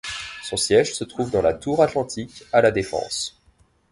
Son siège se trouve dans la Tour Atlantique, à La Défense.